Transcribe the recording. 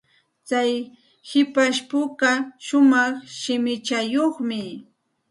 Tsay hipashpuka shumaq shimichayuqmi.